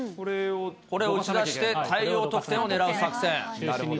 これを打ち出し大量得点をねらう作戦。